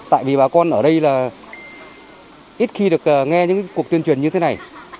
tại vì bà con ở đây là ít khi được nghe những cuộc tuyên truyền như thế này